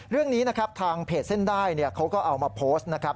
เรื่องนี้นะครับทางเพจเส้นได้เขาก็เอามาโพสต์นะครับ